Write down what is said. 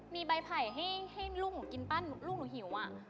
มีใบไผ่ให้ลูกหนูกินปั้นลูกหนูหิว